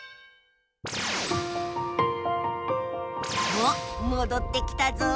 おっもどってきたぞ！